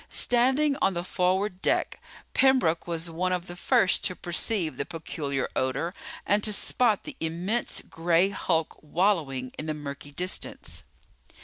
Standing on the forward deck, Pembroke was one of the first to perceive the peculiar odor and to spot the immense gray hulk wallowing in the murky distance.